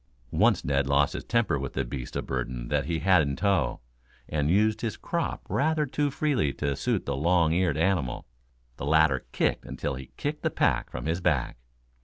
Once Ned lost his temper with the beast of burden that he had in tow, and used his crop rather too freely to suit the long eared animal. The latter kicked until he kicked the pack from his back.